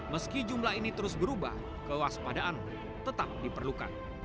meski jumlah ini terus berubah kewaspadaan tetap diperlukan